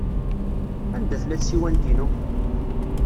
Anda tella tsiwant-inu?